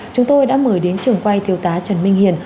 chúng tôi đã mời đến trường quay thiếu tá trần minh hiền